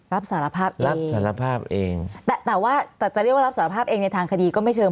รับสารภาพเองแต่ว่าจะเรียกว่ารับสารภาพเองในทางคดีก็ไม่เชิง